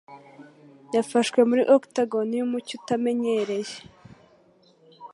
Yafashwe muri octagon yumucyo utamenyereye,